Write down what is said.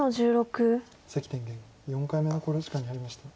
関天元４回目の考慮時間に入りました。